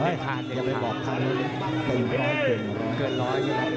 อย่าไปบอกใครเลยแต่ยังเกิดร้อยเกิดร้อย